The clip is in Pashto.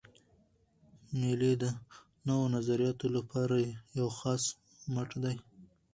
مېلې د نوو نظریاتو له پاره یو خلاص مټ دئ.